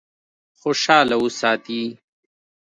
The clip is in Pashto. خوشاله وساتي.